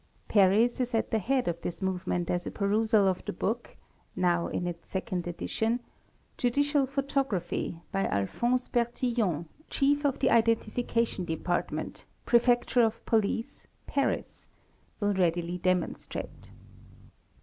Paris is at the head f this movement as a perusal of the book (now in its 2nd edition) Judicial Photography, by Alphonse Bertillon, Chief of the Identification Department, Prefecture of Police, Paris, ® 5! will readily demons a f te.